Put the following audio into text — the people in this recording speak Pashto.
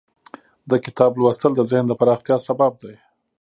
د کتاب لوستل د ذهن د پراختیا سبب دی.